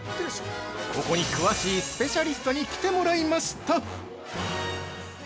ここに詳しいスペシャリストに来てもらいました！